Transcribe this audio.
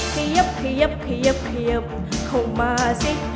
เขียบเขียบเขียบเขียบเข้ามาสิ